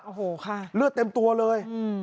โอ้โหค่ะเลือดเต็มตัวเลย